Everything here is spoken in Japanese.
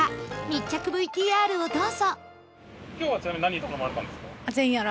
密着 ＶＴＲ をどうぞ